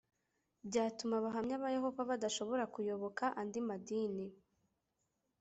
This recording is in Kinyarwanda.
byatuma Abahamya ba Yehova badashobora kuyobokaandi madini